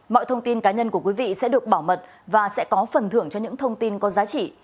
mọi thông tin cá nhân của quý vị sẽ được bảo mật và sẽ có phần thưởng cho những thông tin có giá trị